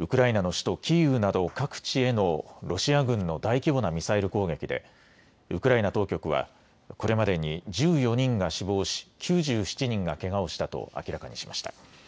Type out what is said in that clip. ウクライナの首都キーウなど各地へのロシア軍の大規模なミサイル攻撃でウクライナ当局はこれまでに１４人が死亡し９７人がけがをしたと明らかにしました。